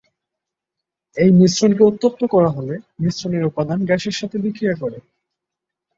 এই মিশ্রণকে উত্তপ্ত করা হলে মিশ্রণের উপাদান গ্যাসের সাথে বিক্রিয়া করে।